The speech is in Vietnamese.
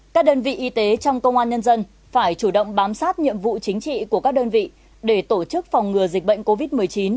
các đơn vị y tế trong công an nhân dân phải chủ động bám sát nhiệm vụ chính trị của các đơn vị để tổ chức phòng ngừa dịch bệnh covid một mươi chín